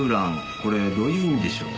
これどういう意味でしょう？